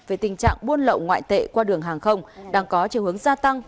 về tình trạng buôn lậu ngoại tệ qua đường hàng không đang có chiều hướng gia tăng